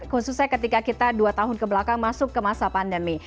khususnya ketika kita dua tahun kebelakang masuk ke masa pandemi